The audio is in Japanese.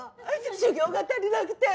修行が足りなくて。